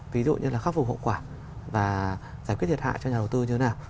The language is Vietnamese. ví dụ như là khắc phục hậu quả và giải quyết thiệt hại cho nhà đầu tư như thế nào